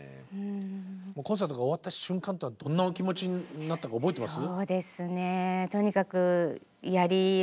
もうコンサートが終わった瞬間っていうのはどんなお気持ちになったか覚えてます？